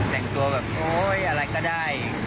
แต่งตัวแบบโอ๊ยอะไรก็ได้